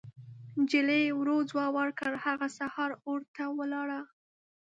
نجلۍ ورو ځواب ورکړ: هغه سهار اور ته ولاړه.